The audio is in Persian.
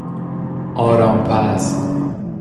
آرام پز